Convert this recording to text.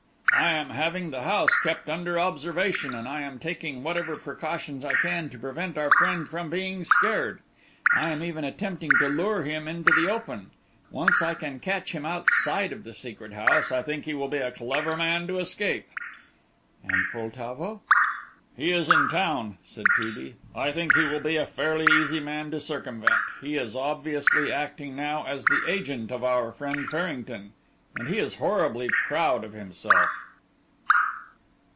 "I am having the house kept under observation, and I am taking whatever precautions I can to prevent our friend from being scared. I am even attempting to lure him into the open. Once I can catch him outside of the Secret House, I think he will be a clever man to escape." "And Poltavo?" "He is in town," said T. B. "I think he will be a fairly easy man to circumvent; he is obviously acting now as the agent of our friend Farrington, and he is horribly proud of himself!"